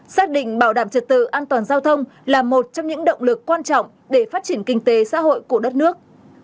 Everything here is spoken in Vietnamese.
xác định bảo đảm trật tự an toàn giao thông là một trong những động lực quan trọng để phát triển kinh tế xã hội của đất nước